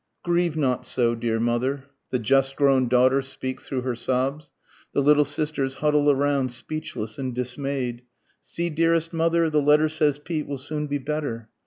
Grieve not so, dear mother, (the just grown daughter speaks through her sobs, The little sisters huddle around speechless and dismay'd,) _See, dearest mother, the letter says Pete will soon be better.